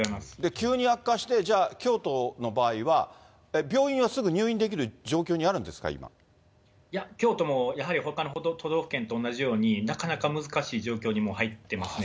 急に悪化して、じゃあ、京都の場合は、病院はすぐ入院できる状況にあるんですか、いや、京都もやはりほかの都道府県と同じように、なかなか難しい状況に入ってますね。